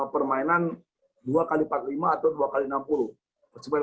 permainan dua x empat puluh lima atau dua x enam puluh